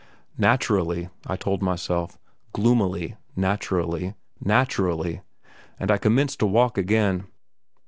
Naturally, I told myself, gloomily naturally, naturally; and I commenced to walk again.